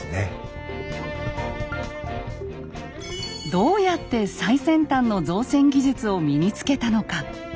どうやって最先端の造船技術を身につけたのか。